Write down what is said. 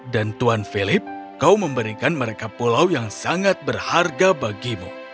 dan tuan philip kau memberikan mereka pulau yang sangat berharga bagimu